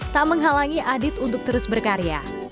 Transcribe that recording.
tak menghalangi adit untuk terus berkarya